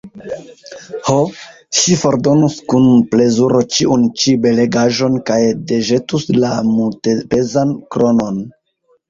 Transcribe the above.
Ho, ŝi fordonus kun plezuro ĉiun ĉi belegaĵon kaj deĵetus la multepezan kronon!